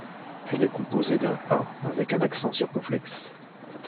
Elle est composée d’un А avec un accent circonflexe.